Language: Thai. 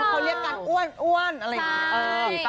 เขาเรียกการอ้วนอะไรอย่างนี้